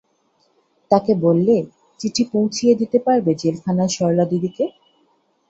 তাকে বললে, চিঠি পৌঁছিয়ে দিতে পারবে জেলখানায় সরলাদিদিকে?